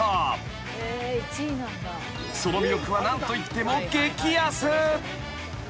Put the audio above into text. ［その魅力は何といっても激安］